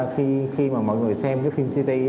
khi mà mọi người xem cái phim city